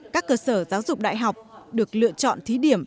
các cơ sở giáo dục đại học được lựa chọn thí điểm